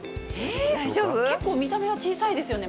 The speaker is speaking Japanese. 結構見た目は小さいですよね。